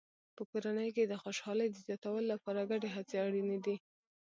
په کورنۍ کې د خوشحالۍ د زیاتولو لپاره ګډې هڅې اړینې دي.